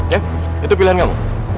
ya itu pilihan kamu